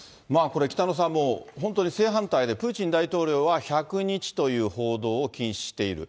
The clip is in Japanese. これ、北野さん、もう本当に正反対で、プーチン大統領は１００日という報道を禁止している。